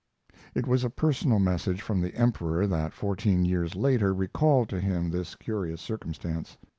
It was a personal message from the Emperor that fourteen years later recalled to him this curious circumstance.